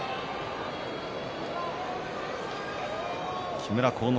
木村晃之